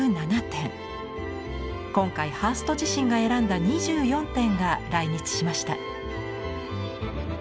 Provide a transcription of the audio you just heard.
今回ハースト自身が選んだ２４点が来日しました。